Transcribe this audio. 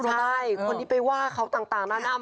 ใช่คนที่ไปว่าเขาต่างหน้า